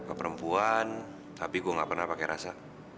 ke perempuan tapi gue gak pernah pakai rasa